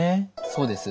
そうです。